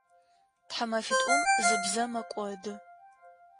Тхьамэфитӏум зы бзэ мэкӏоды.